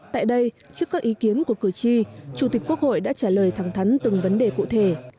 tại đây trước các ý kiến của cử tri chủ tịch quốc hội đã trả lời thẳng thắn từng vấn đề cụ thể